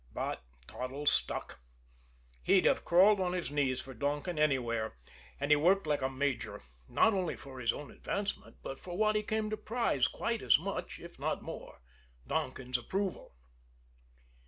But Toddles stuck. He'd have crawled on his knees for Donkin anywhere, and he worked like a major not only for his own advancement, but for what he came to prize quite as much, if not more, Donkin's approval.